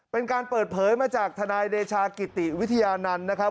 เป็นการเปิดเผยมาจากทนายเดชากิติวิทยานันต์นะครับ